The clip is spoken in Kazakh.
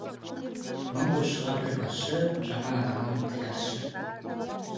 Мың қосшыға бір басшы, жаман адамның тілі ащы.